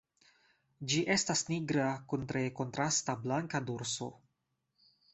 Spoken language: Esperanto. Ĝi estas nigra kun tre kontrasta blanka dorso.